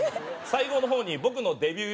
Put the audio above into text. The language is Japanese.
「最後のほうに僕のデビュー